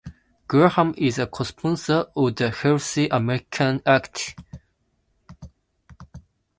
Graham is a cosponsor of the Healthy Americans Act.